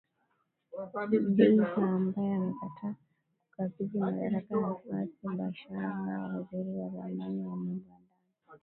Dbeibah ambaye amekataa kukabidhi madaraka kwa Fathi Bashagha waziri wa zamani wa mambo ya ndani